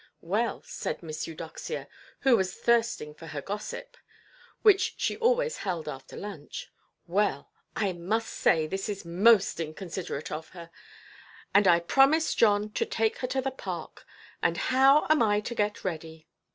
"Well", said Miss Eudoxia, who was thirsting for her gossip, which she always held after lunch—"well, I must say this is most inconsiderate of her. And I promised John to take her to the park, and how am I to get ready?